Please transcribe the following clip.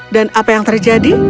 dan apa yang terjadi